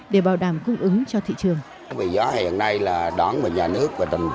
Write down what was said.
để bảo đảm quốc tế